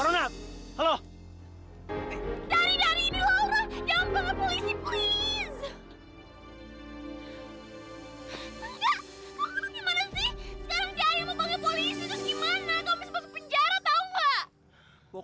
sekarang dia yang mau panggil polisi itu gimana